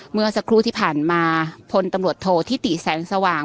เมื่อสักครู่ที่ผ่านมาพลตำรวจโทษธิติแสงสว่าง